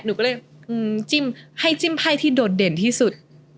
หนูก็เลยจิ้มให้จิ้มไพ่ที่โดดเด่นที่สุด